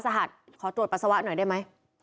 หัสขอตรวจปัสสาวะหน่อยได้ไหม